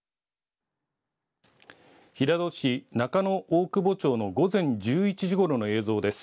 平戸市中野大久保町の午前１１ごろの映像です。